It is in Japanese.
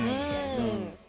うん。